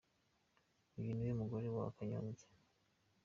Uyu ni we mugore wa Kanyombya.